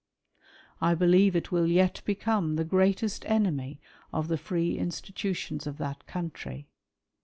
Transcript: I believe it will yet become the greatest enemy of the free institutions of that country.